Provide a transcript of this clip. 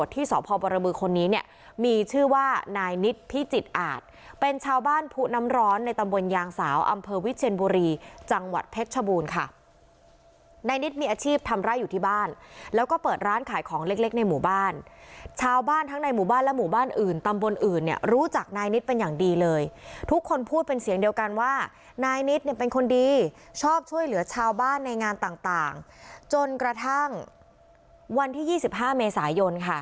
ที่สพบรมือคนนี้เนี่ยมีชื่อว่านายนิตพิจิตอาจเป็นชาวบ้านผู้น้ำร้อนในตำบลยางสาวอำเภอวิเชียนบุรีจังหวัดเพชรชบูรค่ะนายนิตมีอาชีพทำไร้อยู่ที่บ้านแล้วก็เปิดร้านขายของเล็กในหมู่บ้านชาวบ้านทั้งในหมู่บ้านและหมู่บ้านอื่นตำบลอื่นเนี่ยรู้จักนายนิตเป็นอย่างดีเลยทุกคนพูดเป็นเสียงเดีย